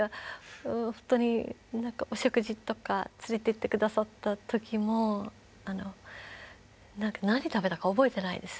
お食事とか連れて行って下さった時も何食べたか覚えてないです。